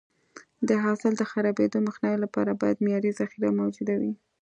د حاصل د خرابېدو مخنیوي لپاره باید معیاري ذخیره موجوده وي.